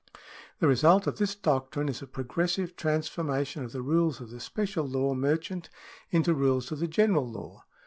^ The result of this doctrine is a progressive transformation of the rules of the special law merchant into rules of the general law.